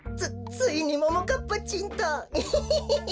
ついにももかっぱちんとイヒヒヒヒ。